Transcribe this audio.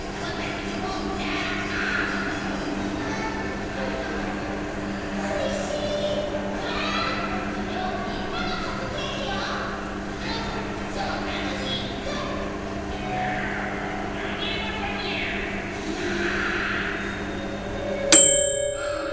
にゃなにごとにゃ⁉なぁ！